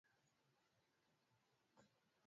magazeti mengi yameandika kuhusiana na